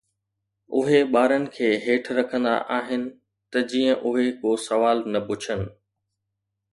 اهي ٻارن کي هيٺ رکندا آهن ته جيئن اهي ڪو سوال نه پڇن.